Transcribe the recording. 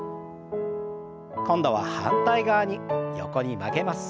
今度は反対側に横に曲げます。